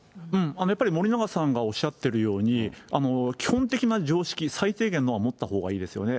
やっぱり森永さんがおっしゃってるように、基本的な常識、最低限のを持ったほうがいいですよね。